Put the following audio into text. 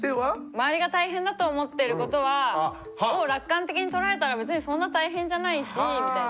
周りが大変だと思ってることを楽観的に捉えたら別にそんな大変じゃないしみたいな。